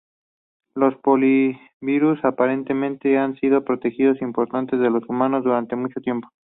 Los poliovirus, aparentemente, han sido patógenos importantes de los humanos durante mucho tiempo.